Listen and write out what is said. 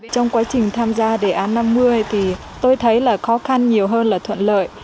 trong quá trình tham gia đề án năm mươi thì tôi thấy là khó khăn nhiều hơn là thuận lợi